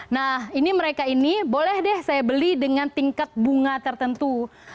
nah ini mereka ini boleh deh saya beli dengan tingkat bunga tertentu